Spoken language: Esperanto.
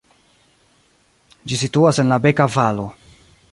Ĝi situas en la Beka-valo.